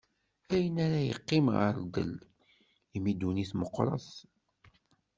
Ayen ara yeqqim ɣer ddel, imi d dunnit meqqret.